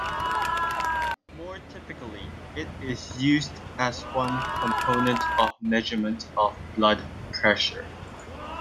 More typically it is used as one component of measurement of blood pressure.